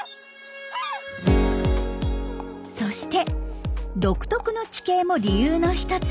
そして独特の地形も理由の１つ。